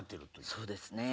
そうですね。